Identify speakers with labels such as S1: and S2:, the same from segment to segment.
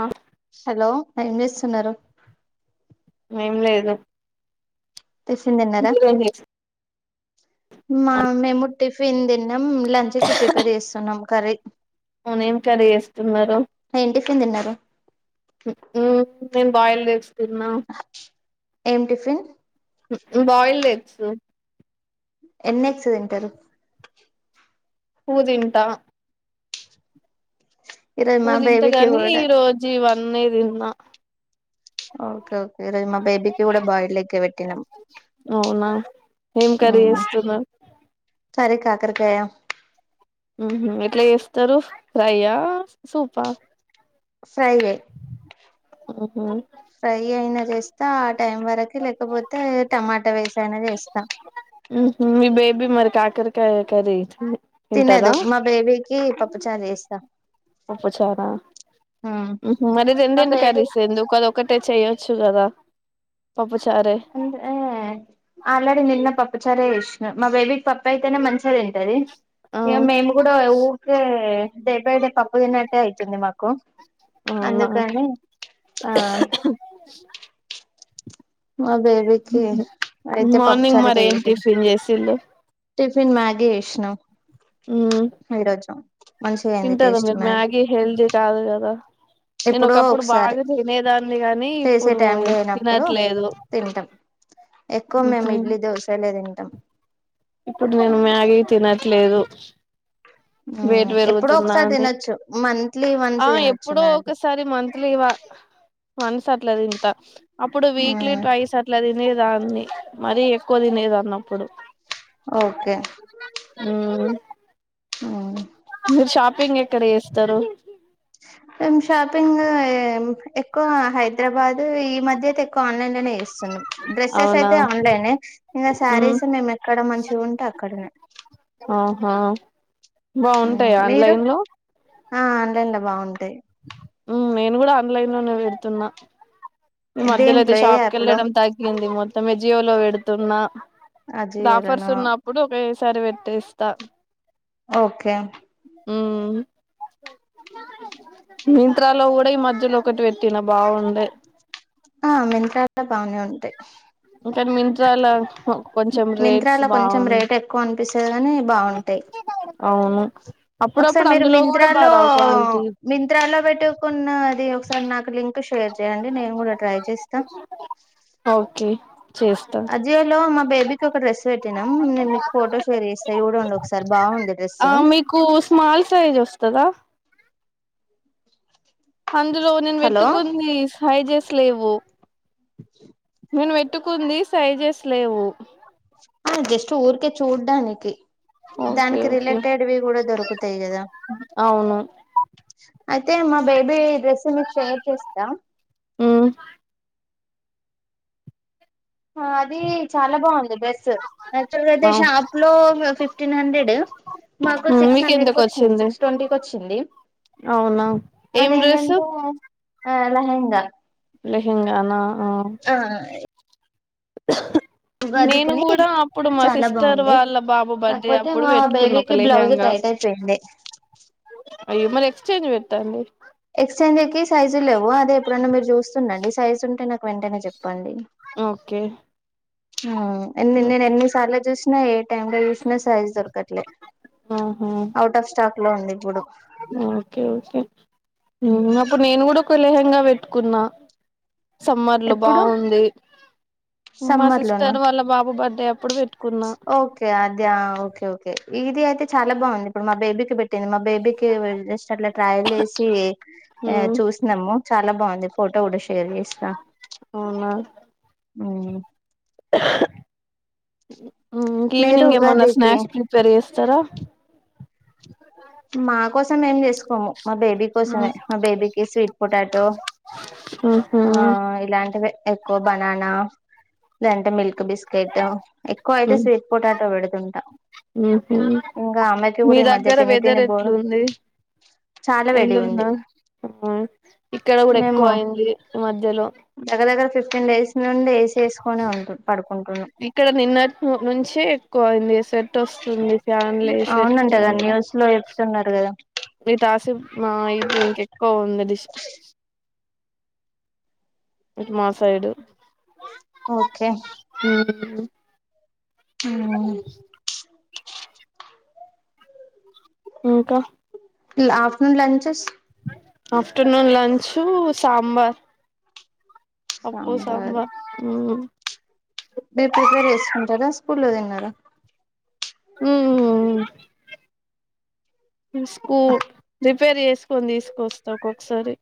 S1: ఆ
S2: హలో ఏం చేస్తున్నారు.
S1: ఏం లేదు.
S2: టిఫిన్ తిన్నారా.
S1: మీరేం చేస్
S2: మా మేము. టిఫన్ తిన్ నము. లంచ్ కి ప్రిపేర్ చేస్తున్నాం కర్రీ
S1: నేనేం కర్రీ చేస్తున్నారు
S2: ఏం టిఫిన్ తిన్నారు.
S1: మ్మ్ నేను బాయిల్ తిన్న
S2: ఏం టిఫిన్
S1: బాయిల్ ఎగ్ ఎగ్స్
S2: ఎన్ని ఎగ్స్ తింటరు.
S1: టూ తింటా.
S2: ఈరోజు
S1: టూ
S2: మా బేబీకి
S1: తింటగాని
S2: కూడా
S1: ఈ రోజు ఇవన్నీ తి నా
S2: ఓకే ఓకే ఈ రోజు మా బేబికి కూడ బోయిల్డ్ ఎగ్ ఏ పెట్టినం.
S1: అవునా ఏం కర్రీ చేస్తున్నారు
S2: కర్రి కాకరకాయ.
S1: ఉహు ఎట్ల చేస్తారు ఫ్రైయా, సూపా.
S2: ఫ్రై యే
S1: ఉహు
S2: ఫ్రై అయిన చే తర్ టైం వరకు లేకపోతే టమాటా వేసైనా చేస్త. [unintelligible]
S1: ఉహు మీ బేబీ మరి కాకరకాయ కర్రీ. తింటాద
S2: తినదు మా బేబీకి పప్పుచారు చేస్తా
S1: పప్పుచారా
S2: మా
S1: మరి రెండు రెండు
S2: బేబీ
S1: కర్రీస్ ఎందుకు అది ఒక్కటి. ఒకటే చెయొచ్చు కదా పప్పుచా
S2: అదే ఆల్రెడీ నిన్న పప్ప పప్పు చారే చేసిన మా బేబీకి పప్పా అయితేనే మంచిగా తింటది.
S1: ఆ
S2: ఇక మేము కూడా ఊరికే డే బై డే పప్పు తిన్నట్టే అయితుంది. మాకు కో
S1: అవునా
S2: మా బేబీకి అయితే
S1: మార్నింగ్
S2: పప్పుచారు
S1: మరే ఏం
S2: చేసేది
S1: టిఫిన్ చేసిళ్ళు.
S2: టిఫిన్ మ్యాగి చేసినం. ఈ రోజు మంచిగా అయింది
S1: తింటార
S2: టేస్ట్
S1: మీరు మ్యాగీ హెల్తీ కాదు కదా నేను
S2: ఎప్పుడో
S1: ఒకప్పుడు
S2: ఒకసారి
S1: బాగా తినేదాన్ని కానీ
S2: చేసే
S1: ఇప్పుడు
S2: టైం లేనప్పుడు
S1: తినట్లేదు.
S2: తింటాం ఎక్కువ మేము
S1: ఊహూ
S2: ఇడ్లీ దోశ ఇగ తింటాం
S1: ఇప్పుడు నేను మ్యాగీ తినట్లేదు వేట్
S2: ఎప్పుడో
S1: పెరుగుతున్నా
S2: ఒకసారి
S1: అని
S2: తినొచ్చు మంత్లీ
S1: ఆ
S2: వన్స్ తినొచ్చు
S1: ఎప్పుడో
S2: మ్యాగీ
S1: ఒకసారి మంత్లీ ఇవా వన్సట్ల తింటా అప్పుడు వీక్లీ ట్వైస్ అట్ల తినేదాన్ని మరి ఎక్కువ తినేదాన్నప్పుడు
S2: ఓకే
S1: మ్మ్
S2: ఆ
S1: మీరు షాపింగ్ ఎక్కడ చేస్తరు
S2: మేం షాపింగ్ ఎక్కువ హైదరాబాద్ ఈ మధ్య అయితే ఎక్కువ ఆన్లైన్ లోనే చేస్తున్నాం డ్రెస్సెస్
S1: అవునా
S2: అయితే ఆన్లైనే ఇంకా
S1: మ్మ్
S2: శారీస్ మేము ఎక్కడ మంచిగుంటె అక్కడనే
S1: హా బాగుంటాయా
S2: మీరు
S1: ఆన్లైన్లో
S2: ఆ ఆన్లైన్లో బాగుంటయి టయి
S1: ఉమ్ నేను కూడా ఆన్లైన్ లోనే పెడుతున్నా ఈ మధ్యలో అయితే
S2: దేంట్లో ఏ
S1: షాప్కి
S2: యాప్ లో
S1: వెళ్ళడం తగ్గింది మొ అజియో లో పెడుతున్న ఇపుడు ఆఫర్స్
S2: అజియోలోనా
S1: ఉన్నప్పుడు ఒక సరి పెట్టస్తా
S2: ఓకే
S1: ఉమ్ మింత్రాలో కూడా ఈ మధ్యలో ఒకటి పెట్టిన బాగుంది
S2: ఆ మింత్రాలో బానే ఉంటయి
S1: ఇక మింత్రాల కొంచెం రేట్స్
S2: మింత్రాలో కొంచెం
S1: బాగు
S2: రేట్ ఎక్కువ అనిపిస్తయి కాని బాగుంటాయి
S1: [unintelligible]
S2: ఒకసారి మీరు
S1: అందులో కూడా
S2: మింత్రాలో
S1: బారావు క్వాలిటీ
S2: మింత్రాలో పెట్టుకున్నది ఒకసారి నాకు లింక్ షేర్ చేయండి నేను కూడా ట్రై చేస్తా
S1: [inaudible]
S2: అజియోలో మా బేబీ ఒక డ్రెస్ పెట్టినాం నేను మీకు ఫొటో షేర్ చేస్తా చూడండి ఒకసారి బాగుంది డ్రెస్
S1: కదా అందులో నేను
S2: హలో
S1: వెతుక్కొని సైజెస్ స్ లేవ నేను పెట్టుకుంది సైజేస్ లేవు
S2: ఆ జస్ట్ ఊర్కె చూడ్డానికి
S1: ఓకే
S2: దానికి
S1: ఓకే
S2: రిలేటెడ్వి కూడా దొరుకుతాయి కదా
S1: అవును
S2: అయితే మా బేబి ఇ మీకు షేర్ చేస్తా
S1: ఉమ్
S2: అది చాలా బాగుంది డ్రెస్సు యాక్చువల్ అయితే
S1: ఆ
S2: షాప్ లో ఫిఫ్టీన్ హండ్రెడ్ మాకు సిక్స్
S1: మీకు
S2: హండ్రెడ్ క
S1: ఎంతకు
S2: వచ్చింది సిక్స్ ట్వంటీకి వచ్చింది
S1: అవునా ఏం డ్రెస్సు
S2: అదేంటంటే ఆ లెహంగా
S1: లెహంగానా [unintelligible] నేను
S2: ఉగాదికని
S1: కూడా అప్పుడు మా
S2: చాలా
S1: సిస్టర్
S2: బాగుంది
S1: వాళ్ళ బాబు బర్త్డే
S2: కాకపోతే
S1: అప్పుడు
S2: మా
S1: పెట్టుకున్నా ఒక
S2: బేబీకి బ్లౌజ్
S1: లేహంగా
S2: టైట్ అయిపోయింది
S1: అవి మరి ఎక్స్చేంజ్ పెట్టారూ
S2: ఎక్స్చేంజ్ కి సైజు లేవు వెంటేనే చెప్పండి
S1: ఓకే
S2: ఎన్ని నేను ఎన్ని సార్లు చూ ఏ టైమ్ యూజస్సయ ఆ దొరకట్లే
S1: ఆహా
S2: అఔట్ ఆఫ్ స్టాక్ అట్లా ఉంది ఇప్పుడు
S1: ఓకే ఓకే అప్పుడు నేను కూడా ఒక లేహంగా పెట్టుకున్నా సమ్మర్లు
S2: ఎప్పుడు
S1: బాగుంది మా
S2: సమ్మర్ లోనా
S1: సిస్టర్ వాళ్ళ బాబు బర్త్డే అప్పుడు పెట్టుకున్నా
S2: ఓకే అద ఓకే ఓకే ఇది అ చాలా బాగుంది ఇప్పుడు మా బేబీకి పెట్టింది మా బేబీకి జస్ట్ అట్లా ట్రయల్ వసి
S1: హ్మ్
S2: చూసినము చాలా బాగుంది ఫోటో కూడా షేర్ చేసినా
S1: అవునా
S2: ఉ
S1: ఉమ్ ఐంకా
S2: మీరు
S1: ఈవెనింగ్ ఏమన్నా
S2: ఉగాదికి
S1: స్నాక్స్ ప్రిపేర్ చ్చర
S2: మా కోసం ఏం చేసుకోము మా బేబీ కోసమే మా బేబీకి స్వీట్ పొటాటో
S1: ఉహు
S2: ఆ
S1: ఉహు
S2: ఇలాంటివి ఎక్కువ బనానా ఏంటే మిల్క్ బిస్కెట్ ఎక్కువ అయితే స్వీట్ పొటాటో పెడుతుంటా ఇంకా అమ్మెకి కూడా ఈ మధ్య తినే
S1: ఇద్దరు ఎట్లుంది
S2: వేడిగా
S1: ఎందుంద
S2: ఉంది
S1: ఇక్కడ కూడా ఎక్కువ
S2: మేము
S1: అయింది ఈ మధ్యలో
S2: ఫిఫ్టీన్డేస్ లో ఉండే
S1: ఇక్కడ నిన్నటి నుంచి కోందంది స ట్ వస్తుంది ఫ్యాన్లుసి
S2: అవునంట
S1: పెట్టుకున్నా
S2: కదా
S1: కూడా
S2: న్యూస్ లో చెప్తున్నారు కదా
S1: మీ తాసేపు మా ఇటు ఇంకెక్కువ ఉంది డిష్ ఇ మా సైడు
S2: ఓకే
S1: హలో
S2: అ
S1: ఇంకా
S2: afternoon lunches
S1: afternoon lunch sambar పప్పు సాంబార్
S2: మీరు ప్రిపేర్ చేసుకుంటారా స్కూల్లో తిన్నారా
S1: ఉ స్కూప్ ప్రిపేర్ చేసుకొని తీసుకొస్తా ఒక్కొక్కసారి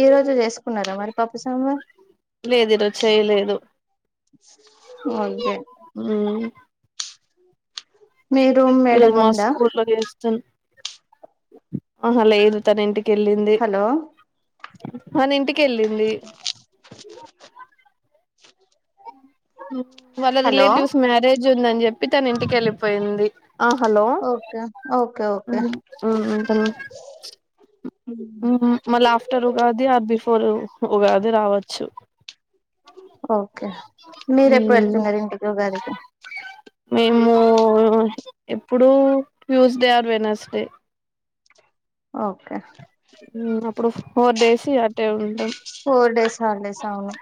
S2: ఈ రోజు చేసుకున్నారా మరి పపు సాంబార్
S1: లేదు చేయలేదు
S2: ఓకే
S1: ఉ
S2: మీరుూమ్ మేడం
S1: ఈరోజు మా
S2: ఉందా
S1: స్కూల్లో చేస్తున్ ఆహా లేదు తన ఇంటికి కెళ్ళింది
S2: హలో
S1: తను ఇంటిక వెళ్ళింది అ వాళ్ళ
S2: హలో
S1: రిలేటివ్స్ మ్యారేజ్ జుందని చెప్పి తను ఇంటికెళ్ళిపోయింది. ఆ హలో
S2: ఓకే ఓకే ఓకే
S1: మళ్ after Ugadi before Ugadi రావచ్చు
S2: ఓకే మీరు ఎప్పుడు
S1: మ్మ్
S2: వెళ్తున్నారు ఇంటికి ఉగాదికి
S1: మేము ఎప్పుడు ట్యూస్డే ఆర్ వెనస్డే
S2: ఓకే
S1: అప్పుడు ఫోర్ డేస్ అటే ఉండం
S2: ఫోర్ డేస్ హాలిడేస్ అవును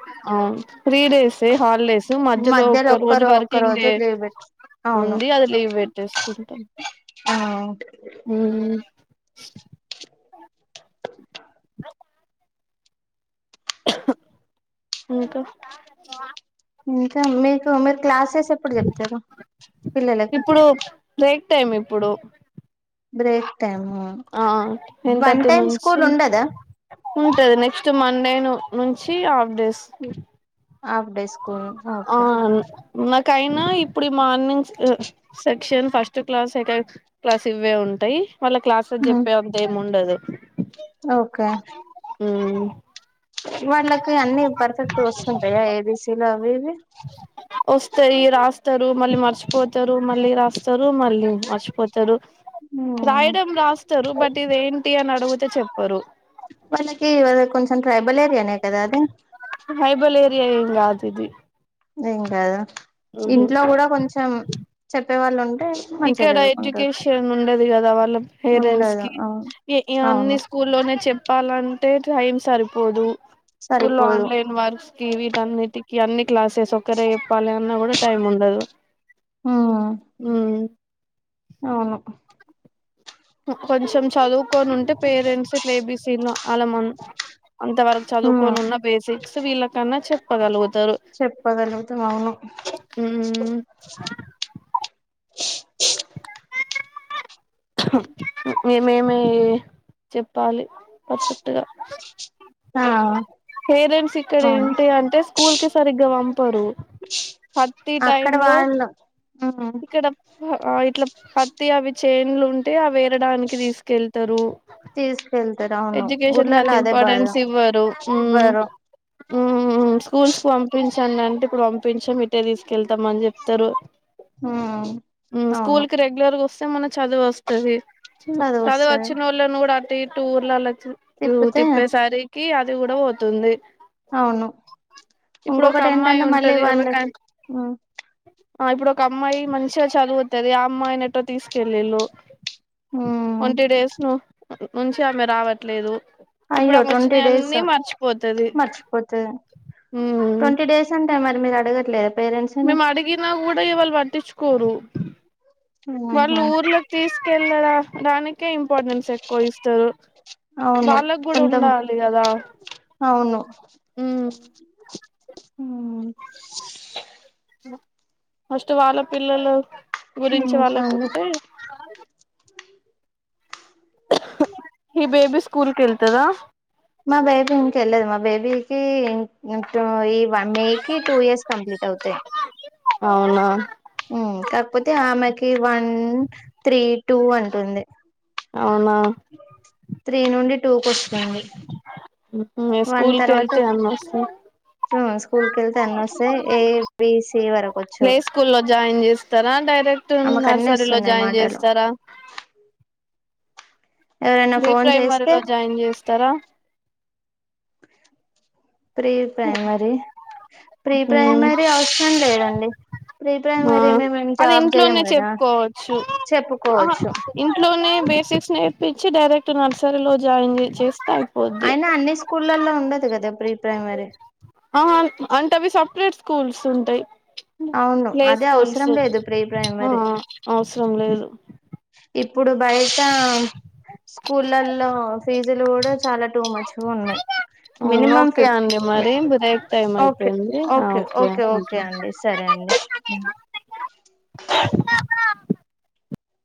S1: త్రీ డేస్ హాలిడేస్ మధ్యలో ఒక రోజు
S2: ఒక్కరు ఒక్క
S1: వర్కింగ్
S2: రోజు
S1: డే
S2: లీవ్ పెట్టు అవును
S1: ఉంది అది లీవ్ పెట్టేసుకు
S2: ఆ
S1: ఉమ్ అ థార్డ్ సెమ్ ఇంక
S2: ఇంకా మీకు, మీరు క్లాస్ సెస్ ఎప్పుడు చెప్తరు పిల్లలకి?
S1: టేం ఇప్పుడు
S2: బ్రేక్ టైమ్
S1: ఆ టెన్
S2: వన్
S1: థర్టీ
S2: టైమ్
S1: నుంచి
S2: స్కూల్ ఉండదా
S1: ఉంటది నెక్స్ ట్ మండే ను నుంచి ఆఫ్ డేస్
S2: హాఫ్ డే స్క్
S1: ఆ మల్ కైనా ఇప్పుడి మద్ mornings section first class, second class ఇవ్వే ఉంటయి. వాళ్ళక్లాసెస్
S2: ఉమ్,
S1: చెప్పే అంత ఏం ఉండదు.
S2: ఓకే
S1: ఉమ్
S2: వాళ్ళకి అన్ని పర్ఫెక్ట్ గొస్తుంటయా ఏ బీ సి లు అవి ఇవి
S1: వస్తయి రాస్తరు మళ్ళీ మర్చిపోతరు, మళ్ళీ రాస్తరు మళ్ళీ మర్చిపోత్
S2: ఉమ్,
S1: రాయడం రాస్తరు బట్ ఇదేంటి అనడుగుతే చెప్పరు.
S2: వాళ్ళకి అది కొంచెం ట్రైబల్ ఏరియానే కదా అది?
S1: ట్రైబల్ ఏరియా ఏం గాదిది
S2: ఏం గాద? ఇంట్లో గూడ కొంచెం చెప్ తేవాలంట్
S1: ఇక్కడ ఎడ్యుకేషన్ ఉండదు గదా వాళ్ళ పేరెంట్స్
S2: ఉండదు
S1: కి,
S2: అవును
S1: వి అన్ని
S2: అవును
S1: స్కూల్లోనే చెప్పాలన్ రోజు టైమ్స్ సరిపోదు స్కూల్లో
S2: సరిపోదు
S1: ఆన్లైన్ వర్క్స్ కి, విటన్నీటికి ఇగన్ని క్లాసెస్ ఒక్కరే చెప్పాలి అన్నా కూడా టైం ఉండదు.
S2: ఉమ్ అవును
S1: హ్ కొంచెం చదువుకొనుంటే పేరెంట్స్ ఇట్ల ఏ బి సి తిన్న అలమను అంత వరకు
S2: ఉమ్
S1: చదువుకోనున్న బేసిక్స్ స్తే వీళ్ళకన్నా చెప్పగలుగుత్
S2: చెప్పగలుగుతం అవును
S1: మ్మ్ మేమేమి చెప్పాలి పర్ఫెక్ట్గా
S2: ఆ
S1: పేరెంట్స్ ఇక్కడ
S2: అవును
S1: ఇంటి అడ్రెస్ స్కూల్కి సరిగ్గా పం టడు పత్తి టై
S2: అక్కడ
S1: లో
S2: వాళ్ళు ఉమ్
S1: ఇక్కడ ఇట్లా పత్తి అవి చైన్లు ఉంటే అవి వేరడానికి తీసుకెళ్తారు
S2: తీసుకెళ్తారు అవును
S1: ఎడ్యుకేషన్ కి
S2: ఊర్లలో
S1: అంత
S2: అదే బాధ
S1: ఇంపార్టెన్స్
S2: ఇ బైరో
S1: హ్మ్ హ్మ్ స్కూల్స్ కి పంపించండి అంటే ఇప్పుడు పంపించాం ఇట్టే తీసుకెళ్తాం అని చెప్తారు.
S2: ఉమ్
S1: హ్మ్
S2: అవును
S1: స్కూల్ కి రెగ్యులర్గా వస్త్ చ్చ మనం చదువు వస్తుంది చదువు
S2: చదువొస్తది
S1: వచ్చిన వాళ్ళు ను కూడా టే టూర్లలో తు నువ్
S2: తిప్పితే
S1: తిప్పే సారి ఈ అది కూడా పోతుంది
S2: అవును
S1: ఇప్పుడు ఒక
S2: ఇంకొకటి
S1: అమ్మాయి
S2: ఏంటంటే మళ్ళీ
S1: ఉంటది
S2: వాళ్ళ హ్మ్
S1: ఆ ఇప్పుడు ఒక అమ్మాయి మంచిగా చదువుతుంది ఆ అమ్మాయిని ఎటో తీసుకెళ్లిళ్లు
S2: ఉమ్
S1: అంటే డేస్ ను మంచి ఆమె రావట్లేదు ఇప్పుడు
S2: అయ్యో
S1: ఆమె
S2: [unintelligible] టూ డేస్
S1: వచ్చినయన్నీ మర్చిపోతది
S2: మర్చిపోతుంది
S1: ఉమ్
S2: ట్ంటీ డేస్ అంటే మరి మీరు అడగట్లేదా పేరెంట్స్ ని
S1: మేము అడిగిన కూడ ఎవళ్ పట్టించుకోరు వాళ్ళు
S2: ఆహా
S1: ఊర్లోకి తీసుకెళ్లారా రాని కే ఇంపార్టెన్స్ ఎక్కువ ఇస్తారు
S2: అవును
S1: వాళ్ళకు కూడ
S2: కొంతం
S1: ఉండాలి కదా
S2: హు
S1: ఫస్ట్ వాళ్ళ పిల్లలు గురించి
S2: ఇంకా
S1: వాళ్ళకు
S2: అండి
S1: ఉంటే హి బేబీ స్కూల్ కెల్ తదా
S2: మా బేబీ ఇంకెళ్ళేదు మా బేబీకి ఇంట్లో అయి వన్ మే కి టూ ఇయర్స్ కంప్లీట్ అవుతే
S1: అవునా
S2: ఉ కాకపోతే ఆమెకి వన్ త్రీ టూ అంటుంది
S1: అవునా
S2: త్రీ నుండి టూకో ఓస్తుంది
S1: ఊహు స్కూల్ క వెళ్తే అస్త
S2: స్కూల్ కి వెళ్తే అన్ని వస్తాయి ఏ బి సి వరకు వచ్చు
S1: ప్లే స్కూలో జాయిన్ చేస్తారా డైరెక్ట్
S2: ఆమెకు అన్ని
S1: నర్సరీలో
S2: వస్తున్నాయి
S1: జాయిన్
S2: మాటలు
S1: చేస్తారా
S2: ఎవరైనా
S1: ప్రీ
S2: ఫోన్ చేస్తే
S1: ప్రైమరీలో జాయిన్ చేస్తారా
S2: ప్రీ ప్రైమరీ ప్రీ
S1: మ్మ్
S2: ప్రైమరీ అవసరం లేదండి ప్రీ
S1: ఆ
S2: ప్రైమరీ మే మేము
S1: అది
S2: జాబ్ చే్యము
S1: ఇంట్లోనే
S2: కదా
S1: చెప్పుకోవచ్చు ఆహా
S2: చెప్పుకోవచ్చు
S1: ఇంట్లోనే బేసిక్స్ నేర్పించి డైరెక్ట్ నర్సరీలో జాయిన్ చే చేస్తా
S2: అయినా అన్ని స్కూళ్ళలో ఉండదు కదా ప్రీ ప్రైమరీ
S1: ఆ అంటేవి స ప్రేట్ స్కూల్స్ ఉంటాయి
S2: అవును
S1: ప్లే
S2: అదే
S1: స్కూల్స్
S2: అవసరం లేదు ప్రీ
S1: ఆ
S2: ప్రైమరీ
S1: అవసరం లేదు
S2: ఇప్పు ఇప్పుడు బయట స్కూళ్ళల్లో ఫీజులు కూడా చాలా టూ మచ్గా ఉన్నాయి
S1: అవును
S2: మినిమం
S1: ఓకే
S2: ఫిఫ్టీ
S1: అండి మరి బ్రేక్ టైం
S2: ఓకే
S1: అయిపోయింది
S2: ఓకే ఓకే ఓకే అండి సరే అండి